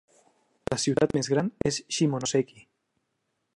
La ciutat més gran és Shimonoseki.